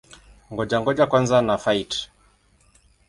Ngoja-ngoja kwanza na-fight!